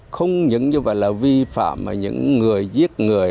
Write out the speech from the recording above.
không những như vậy là vi phạm những người giết người